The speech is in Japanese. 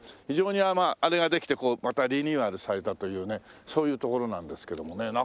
非常にあれができてこうまたリニューアルされたというねそういう所なんですけどもね。